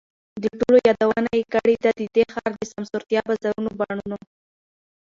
د ټولو یادونه یې کړې ده، د دې ښار د سمسورتیا، بازارونو، بڼونو،